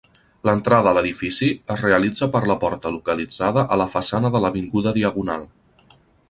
L'entrada a l'edifici es realitza per la porta localitzada a la façana de l'Avinguda Diagonal.